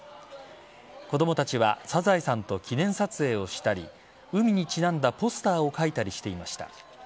子供たちはサザエさんと記念撮影をしたり海にちなんだポスターを描いたりしていました。